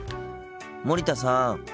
森田さん。